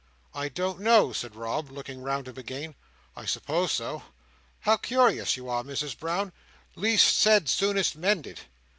"I don't know," said Rob, looking round him again. "I suppose so. How curious you are, Misses Brown! Least said, soonest mended."